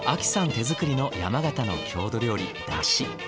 手作りの山形の郷土料理だし。